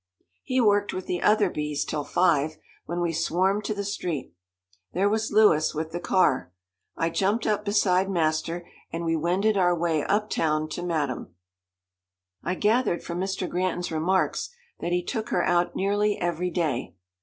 He worked with the other bees till five, when we swarmed to the street. There was Louis with the car. I jumped up beside master, and we wended our way uptown to Madame. I gathered from Mr. Granton's remarks that he took her out nearly every day.